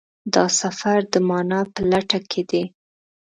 دا سفر د مانا په لټه کې دی.